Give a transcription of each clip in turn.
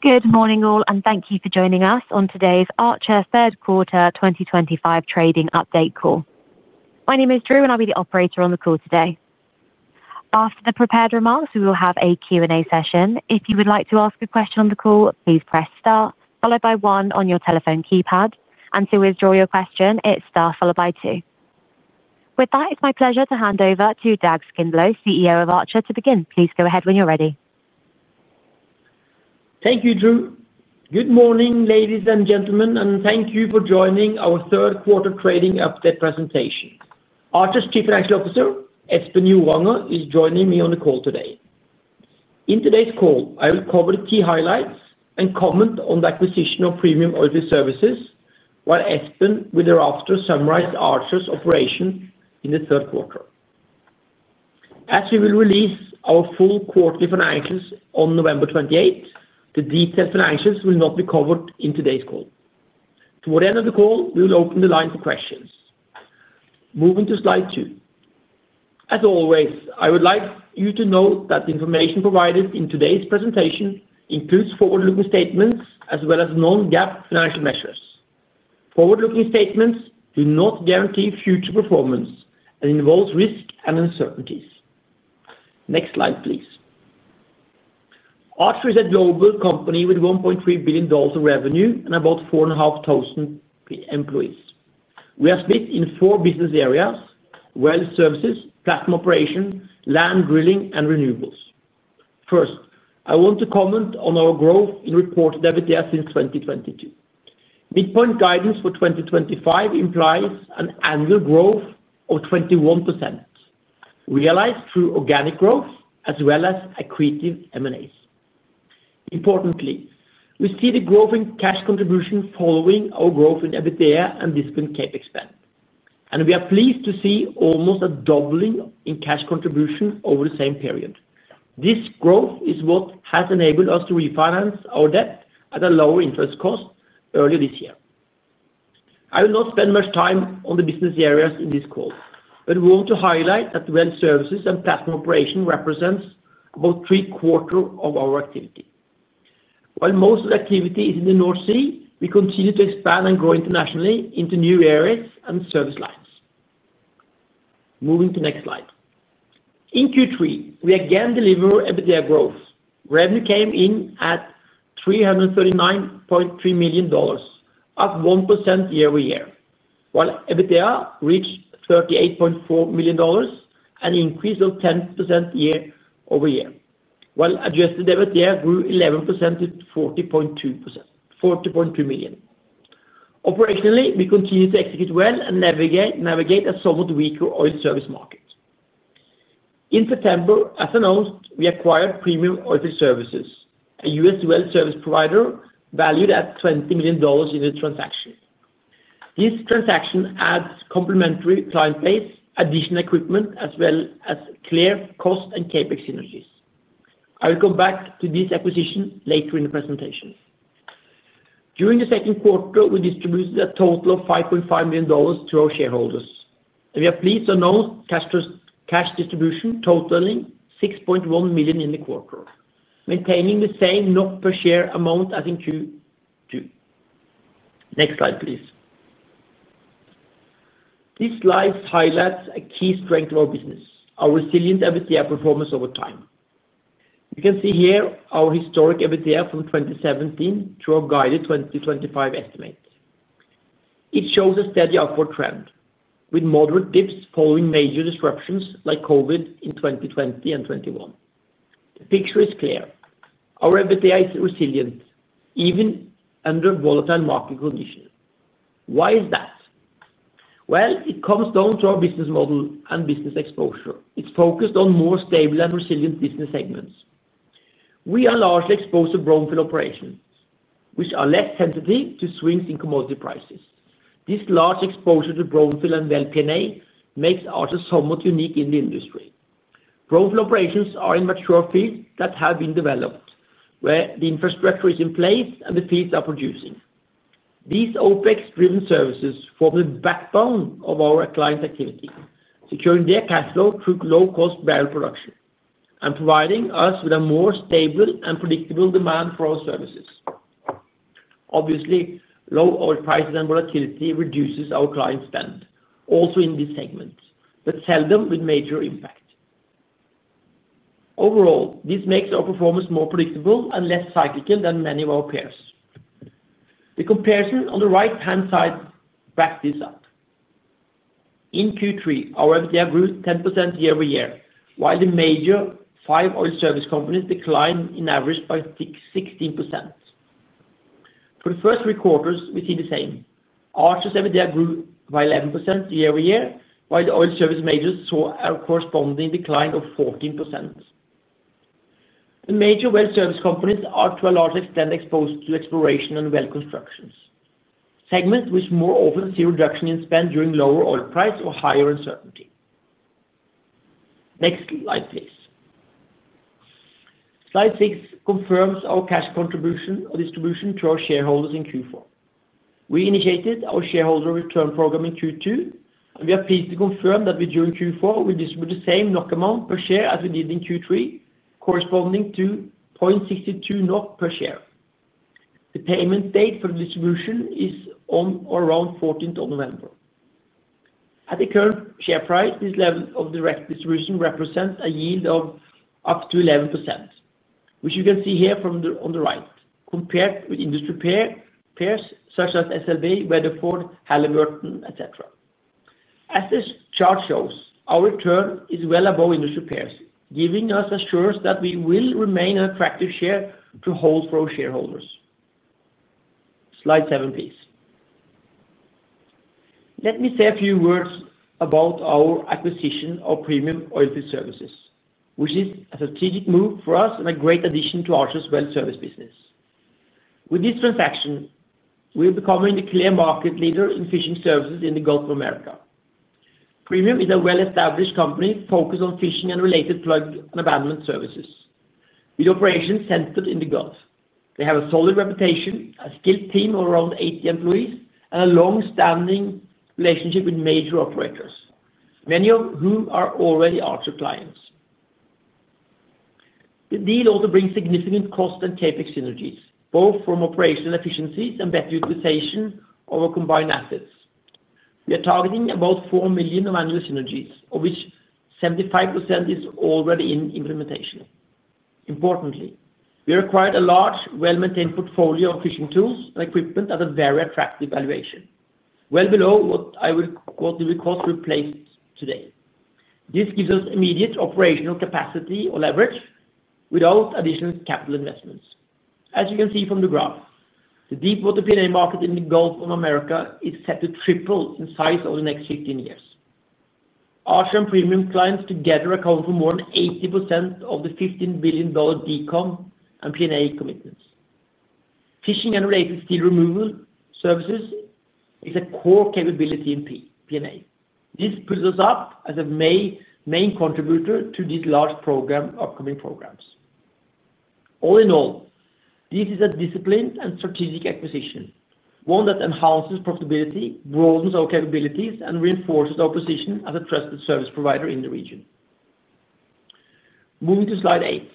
Good morning, all, and thank you for joining us on today's Archer third quarter 2025 trading update call. My name is Drew, and I'll be the operator on the call today. After the prepared remarks, we will have a Q&A session. If you would like to ask a question on the call, please press star, followed by one on your telephone keypad, and to withdraw your question, it's star, followed by two. With that, it's my pleasure to hand over to Dag Skindlo, CEO of Archer, to begin. Please go ahead when you're ready. Thank you, Drew. Good morning, ladies and gentlemen, and thank you for joining our third quarter trading update presentation. Archer's Chief Financial Officer, Espen Joranger, is joining me on the call today. In today's call, I will cover the key highlights and comment on the acquisition of Premium Oilfield Services, while Espen will thereafter summarize Archer's operations in the third quarter. As we will release our full quarterly financials on November 28, the detailed financials will not be covered in today's call. Toward the end of the call, we will open the line for questions. Moving to slide two. As always, I would like you to know that the information provided in today's presentation includes forward-looking statements as well as non-GAAP financial measures. Forward-looking statements do not guarantee future performance and involve risk and uncertainties. Next slide, please. Archer is a global company with $1.3 billion of revenue and about 4,500 employees. We are split in four business areas: oil services, platform operation, land drilling, and renewables. First, I want to comment on our growth in reported EBITDA since 2022. Midpoint guidance for 2025 implies an annual growth of 21%. Realized through organic growth as well as accretive M&As. Importantly, we see the growth in cash contribution following our growth in EBITDA and discount cap expand, and we are pleased to see almost a doubling in cash contribution over the same period. This growth is what has enabled us to refinance our debt at a lower interest cost earlier this year. I will not spend much time on the business areas in this call, but I want to highlight that oil services and platform operation represent about three-quarters of our activity. While most of the activity is in the North Sea, we continue to expand and grow internationally into new areas and service lines. Moving to the next slide. In Q3, we again delivered EBITDA growth. Revenue came in at $339.3 million, up 1% year-over-year, while EBITDA reached $38.4 million, an increase of 10% year-over-year, while adjusted EBITDA grew 11% to $40.2 million. Operationally, we continue to execute well and navigate a somewhat weaker oil service market. In September, as announced, we acquired Premium Oilfield Services, a U.S. oil service provider valued at $20 million in the transaction. This transaction adds complementary client base, additional equipment, as well as clear cost and CapEx synergies. I will come back to this acquisition later in the presentation. During the second quarter, we distributed a total of $5.5 million to our shareholders, and we are pleased to announce cash distribution totaling $6.1 million in the quarter, maintaining the same NOK-per-share amount as in Q2. Next slide, please. This slide highlights a key strength of our business: our resilient EBITDA performance over time. You can see here our historic EBITDA from 2017 to our guided 2025 estimate. It shows a steady upward trend with moderate dips following major disruptions like COVID in 2020 and 2021. The picture is clear. Our EBITDA is resilient even under volatile market conditions. Why is that? It comes down to our business model and business exposure. It's focused on more stable and resilient business segments. We are largely exposed to platform operations, which are less sensitive to swings in commodity prices. This large exposure to platform and well-P&A makes Archer somewhat unique in the industry. Platform operations are in mature fields that have been developed, where the infrastructure is in place and the fields are producing. These OpEx-driven services form the backbone of our client activity, securing their cash flow through low-cost barrel production and providing us with a more stable and predictable demand for our services. Obviously, low oil prices and volatility reduce our client spend, also in this segment, but seldom with major impact. Overall, this makes our performance more predictable and less cyclical than many of our peers. The comparison on the right-hand side backs this up. In Q3, our EBITDA grew 10% year-over-year, while the major five oil service companies declined in average by 16%. For the first three quarters, we see the same. Archer's EBITDA grew by 11% year-over-year, while the oil service majors saw a corresponding decline of 14%. The major oil service companies are to a large extent exposed to exploration and well constructions, segments which more often see a reduction in spend during lower oil price or higher uncertainty. Next slide, please. Slide six confirms our cash contribution or distribution to our shareholders in Q4. We initiated our shareholder return program in Q2, and we are pleased to confirm that during Q4, we distribute the same NOK amount per share as we did in Q3, corresponding to 0.62 NOK per share. The payment date for the distribution is on or around 14th of November. At the current share price, this level of direct distribution represents a yield of up to 11%, which you can see here on the right, compared with industry peers such as SLB, Weatherford, Halliburton, etc. As this chart shows, our return is well above industry peers, giving us assurance that we will remain an attractive share to hold for our shareholders. Slide seven, please. Let me say a few words about our acquisition of Premium Oilfield Services, which is a strategic move for us and a great addition to Archer's well service business. With this transaction, we are becoming a clear market leader in fishing services in the Gulf of Mexico. Premium is a well-established company focused on fishing and related plug and abandonment services, with operations centered in the Gulf. They have a solid reputation, a skilled team of around 80 employees, and a long-standing relationship with major operators, many of whom are already Archer clients. The deal also brings significant cost and CapEx synergies, both from operational efficiencies and better utilization of our combined assets. We are targeting about $4 million of annual synergies, of which 75% is already in implementation. Importantly, we required a large, well-maintained portfolio of fishing tools and equipment at a very attractive valuation, well below what I would call the cost replaced today. This gives us immediate operational capacity or leverage without additional capital investments. As you can see from the graph, the deep-water P&A market in the Gulf of Mexico is set to triple in size over the next 15 years. Archer and Premium clients together account for more than 80% of the $15 billion decom and P&A commitments. Fishing and related steel removal services is a core capability in P&A. This puts us up as a main contributor to this large program, upcoming programs. All in all, this is a disciplined and strategic acquisition, one that enhances profitability, broadens our capabilities, and reinforces our position as a trusted service provider in the region. Moving to slide eight.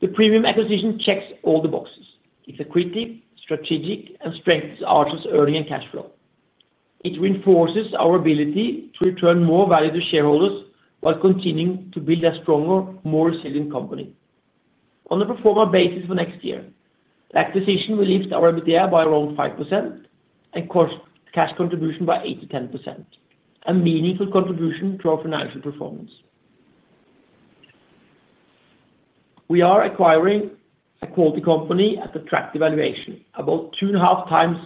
The Premium acquisition checks all the boxes. It's accretive, strategic, and strengthens Archer's earning and cash flow. It reinforces our ability to return more value to shareholders while continuing to build a stronger, more resilient company. On a pro forma basis for next year, that decision will lift our EBITDA by around 5% and cost cash contribution by 8%-10%, a meaningful contribution to our financial performance. We are acquiring a quality company at attractive valuation, about two and a half times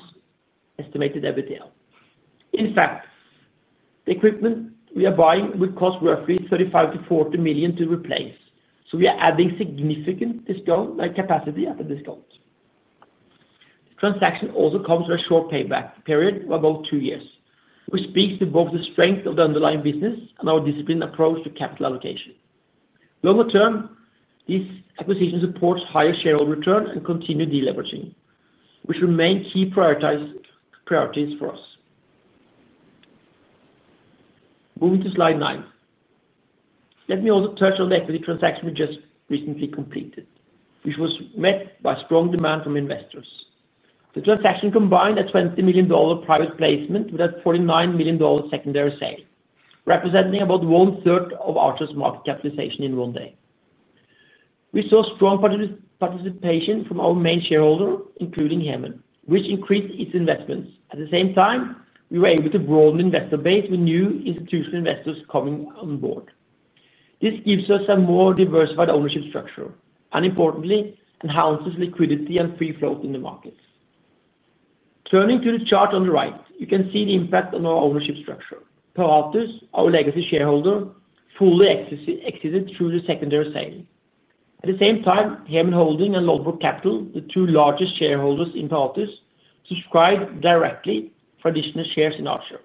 estimated EBITDA. In fact, the equipment we are buying would cost roughly $35 million-$40 million to replace, so we are adding significant discount capacity at the discount. The transaction also comes with a short payback period of about two years, which speaks to both the strength of the underlying business and our disciplined approach to capital allocation. Longer term, this acquisition supports higher shareholder return and continued deleveraging, which remain key priorities for us. Moving to slide nine. Let me also touch on the equity transaction we just recently completed, which was met by strong demand from investors. The transaction combined a $20 million private placement with a $49 million secondary sale, representing about one-third of Archer's market capitalization in one day. We saw strong participation from our main shareholder, including Hemen Holding, which increased its investments. At the same time, we were able to broaden the investor base with new institutional investors coming on board. This gives us a more diversified ownership structure and, importantly, enhances liquidity and free float in the markets. Turning to the chart on the right, you can see the impact on our ownership structure. Paratus, our legacy shareholder, fully exited through the secondary sale. At the same time, Hemen Holding and Lodbrok Capital, the two largest shareholders in Paratus, subscribed directly for additional shares in Archer.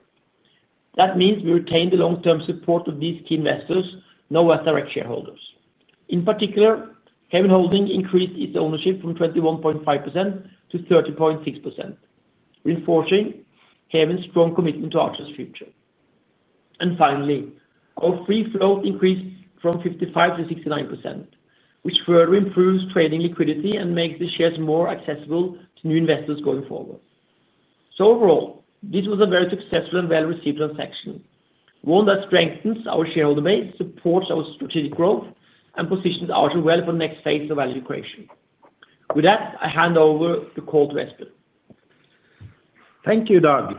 That means we retained the long-term support of these key investors, no other direct shareholders. In particular, Hemen Holding increased its ownership from 21.5%-0.6%, reinforcing Hemen's strong commitment to Archer's future. Finally, our free float increased from 55%-69%, which further improves trading liquidity and makes the shares more accessible to new investors going forward. Overall, this was a very successful and well-received transaction, one that strengthens our shareholder base, supports our strategic growth, and positions Archer well for the next phase of value creation. With that, I hand over the call to Espen. Thank you, Dag.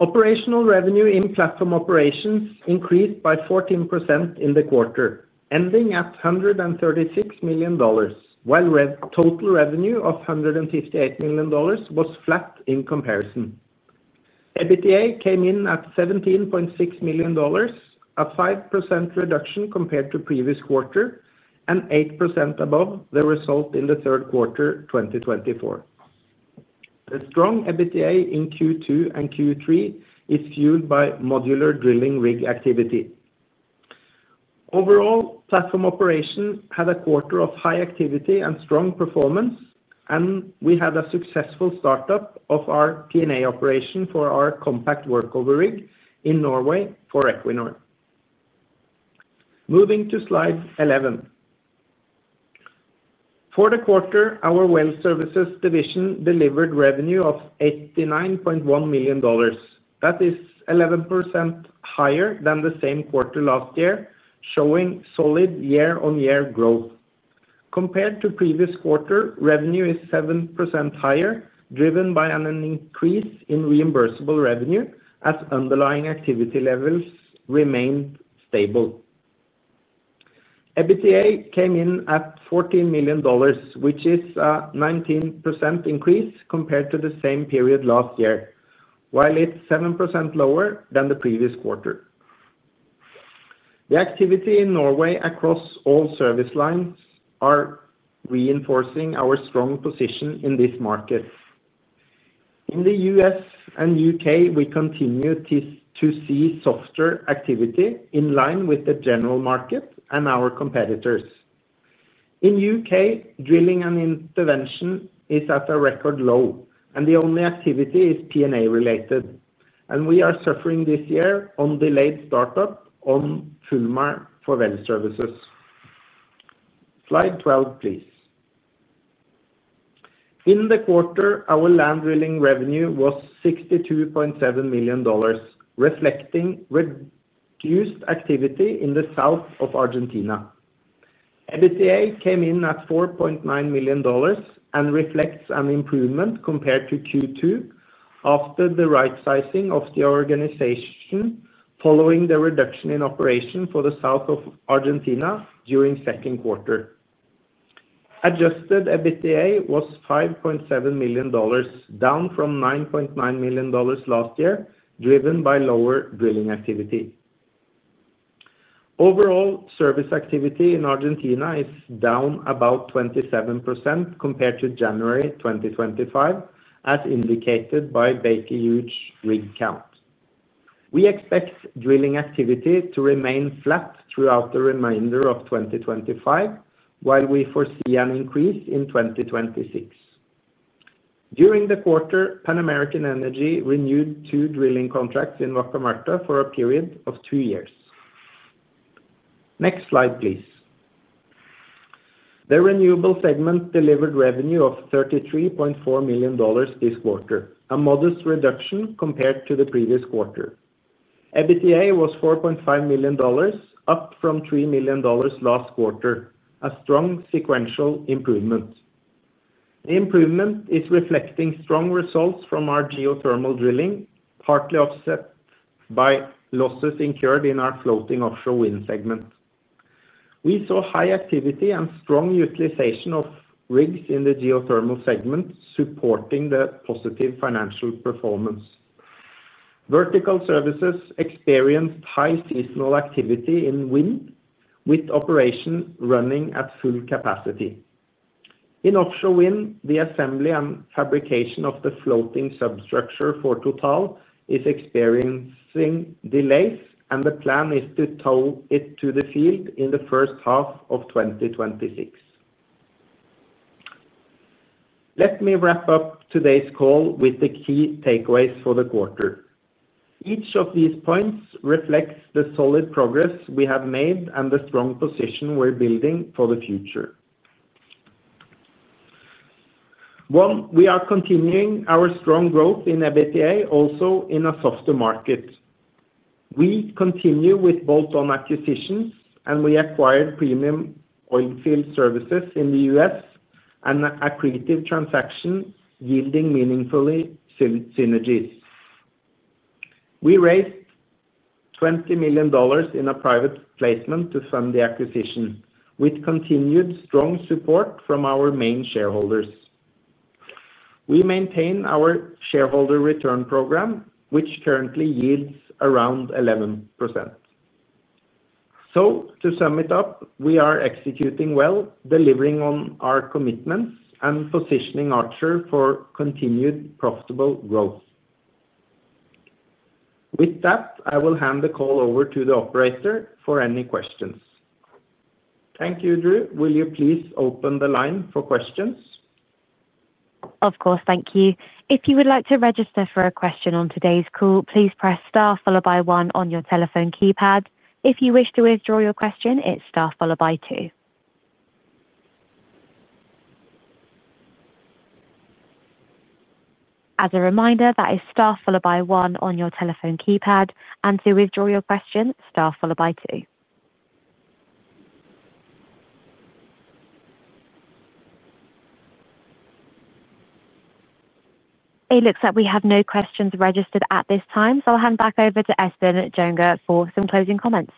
Operational revenue in platform operations increased by 14% in the quarter, ending at $136 million, while total revenue of $158 million was flat in comparison. EBITDA came in at $17.6 million, a 5% reduction compared to the previous quarter and 8% above the result in the third quarter 2024. The strong EBITDA in Q2 and Q3 is fueled by modular drilling rig activity. Overall, platform operations had a quarter of high activity and strong performance, and we had a successful startup of our P&A operation for our compact workover rig in Norway for Equinor. Moving to slide 11. For the quarter, our well services division delivered revenue of $89.1 million. That is 11% higher than the same quarter last year, showing solid year-on-year growth. Compared to the previous quarter, revenue is 7% higher, driven by an increase in reimbursable revenue as underlying activity levels remained stable. EBITDA came in at $14 million, which is a 19% increase compared to the same period last year, while it is 7% lower than the previous quarter. The activity in Norway across all service lines is reinforcing our strong position in this market. In the U.S. and U.K., we continue to see softer activity in line with the general market and our competitors. In the U.K., drilling and intervention is at a record low, and the only activity is P&A related, and we are suffering this year on delayed startup on Fulmar for well services. Slide 12, please. In the quarter, our land drilling revenue was $62.7 million, reflecting reduced activity in the south of Argentina. EBITDA came in at $4.9 million and reflects an improvement compared to Q2 after the right-sizing of the organization following the reduction in operation for the south of Argentina during the second quarter. Adjusted EBITDA was $5.7 million, down from $9.9 million last year, driven by lower drilling activity. Overall, service activity in Argentina is down about 27% compared to January 2025, as indicated by Baker Hughes' rig count. We expect drilling activity to remain flat throughout the remainder of 2025, while we foresee an increase in 2026. During the quarter, Pan American Energy renewed two drilling contracts in Vaca Muerta for a period of two years. Next slide, please. The renewable segment delivered revenue of $33.4 million this quarter, a modest reduction compared to the previous quarter. EBITDA was $4.5 million, up from $3 million last quarter, a strong sequential improvement. The improvement is reflecting strong results from our geothermal drilling, partly offset by losses incurred in our floating offshore wind segment. We saw high activity and strong utilization of rigs in the geothermal segment, supporting the positive financial performance. Vertical services experienced high seasonal activity in wind, with operation running at full capacity. In offshore wind, the assembly and fabrication of the floating substructure for Total is experiencing delays, and the plan is to tow it to the field in the first half of 2026. Let me wrap up today's call with the key takeaways for the quarter. Each of these points reflects the solid progress we have made and the strong position we're building for the future. One, we are continuing our strong growth in EBITDA, also in a softer market. We continue with bolt-on acquisitions, and we acquired Premium Oilfield Services in the U.S., an accretive transaction yielding meaningful synergies. We raised $20 million in a private placement to fund the acquisition, with continued strong support from our main shareholders. We maintain our shareholder return program, which currently yields around 11%. To sum it up, we are executing well, delivering on our commitments, and positioning Archer for continued profitable growth. With that, I will hand the call over to the operator for any questions. Thank you, Drew. Will you please open the line for questions? Of course. Thank you. If you would like to register for a question on today's call, please press star followed by one on your telephone keypad. If you wish to withdraw your question, it's star followed by two. As a reminder, that is star followed by one on your telephone keypad. To withdraw your question, star followed by two. It looks like we have no questions registered at this time, so I'll hand back over to Espen Joranger for some closing comments.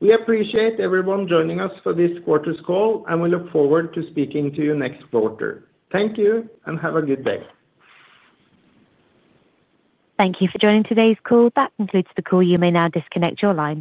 We appreciate everyone joining us for this quarter's call, and we look forward to speaking to you next quarter. Thank you and have a good day. Thank you for joining today's call. That concludes the call. You may now disconnect your line.